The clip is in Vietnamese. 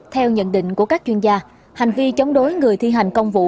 theo nhận định của các chuyên gia hành vi chống đối người thi hành công vụ